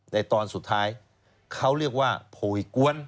ตอนสุดท้ายเขาเรียกว่าโพยกวน